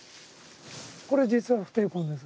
これ実は不定根です。